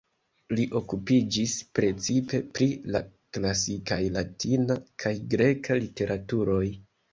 Li okupiĝis precipe pri la klasikaj latina kaj greka literaturoj.